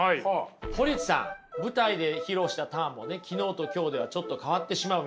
堀内さん舞台で披露したターンもね昨日と今日ではちょっと変わってしまうみたいなことがあると。